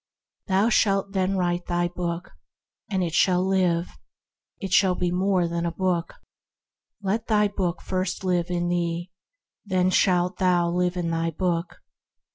Thou shalt then write thy book, and it shall live; it shall be more than a book. Let thy book first live in thee, then shalt thou live in thy book.